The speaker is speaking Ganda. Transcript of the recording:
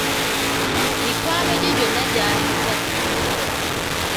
Mikwano gye gyonna gyali misanyufu nnyo.